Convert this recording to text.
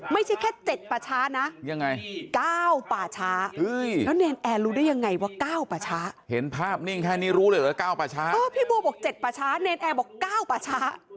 ไม่ใช่แค่เจ็ดป่าช้านะ